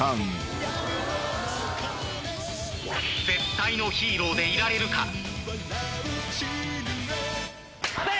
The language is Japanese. ［絶対のヒーローでいられるか？］